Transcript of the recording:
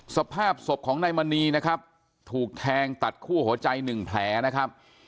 สภาพศพของนายมณีนะครับถูกแทงตัดคู่หัวใจหนึ่งแผลนะครับ